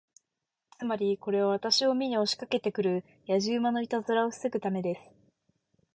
つまり、これは私を見に押しかけて来るやじ馬のいたずらを防ぐためです。